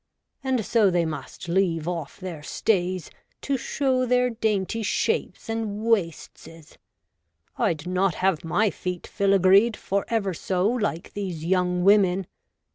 And so they must leave off their stays, to show their dainty shapes and waistjw / I'd not have my feet filagreed, for ever so, like these young women.